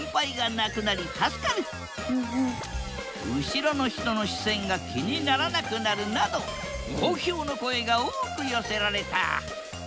後ろの人の視線が気にならなくなるなど好評の声が多く寄せられた。